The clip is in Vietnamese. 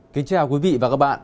kính chào quý vị và các bạn